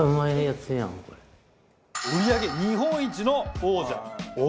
売り上げ日本一の王者黄金の味。